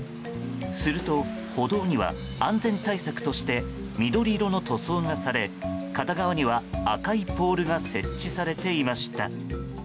すると、歩道には安全対策として緑色の塗装がされ、片側には赤いポールが設置されていました。